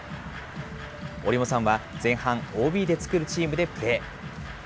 折茂さんは前半、ＯＢで作るチームでプレー。